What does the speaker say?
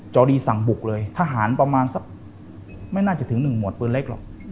จอดีสั่งบุกเลยทหารประมาณสักไม่น่าจะถึง๑หวดปืนเล็กหรอก